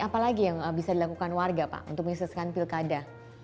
apalagi yang bisa dilakukan warga pak untuk menyesuaikan pilkada